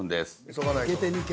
急がないと。